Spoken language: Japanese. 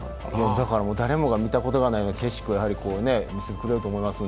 誰もが見たことのない景色を見せてくれると思います。